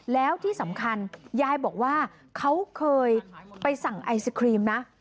แล้วที่สำคัญยายบอกว่าเขาเคยไปสั่งไอศครีมนะ